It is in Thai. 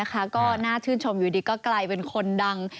ก็น่าชื่นชมอยู่ดีก็กลายเป็นคนดัง